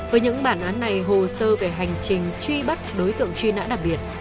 với những bản án này hồ sơ về hành trình truy bắt đối tượng truy nã đặc biệt